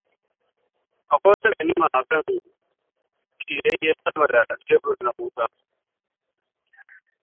Akwai wata ganima a kan shiryayye sama da tebur na Musa.